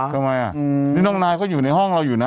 ทำไมอ่ะนี่น้องนายก็อยู่ในห้องเราอยู่นะ